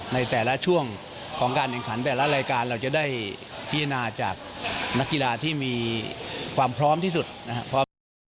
ในแต่ละช่วงของการแข่งขันแต่ละรายการเราจะได้พิจารณาจากนักกีฬาที่มีความพร้อมที่สุดนะครับ